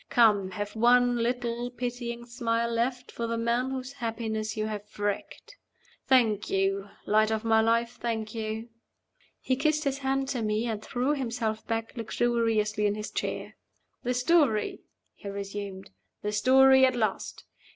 Come, have one little pitying smile left for the man whose happiness you have wrecked. Thank you, Light of my Life, thank you!" He kissed his hand to me, and threw himself back luxuriously in his chair. "The story," he resumed. "The story at last!